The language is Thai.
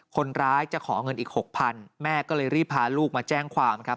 คนร้ายจะขอเงินอีกหกพันแม่ก็เลยรีบพาลูกมาแจ้งความครับ